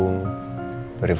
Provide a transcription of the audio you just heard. masih minta thing